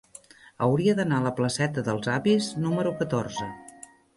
Hauria d'anar a la placeta dels Avis número catorze.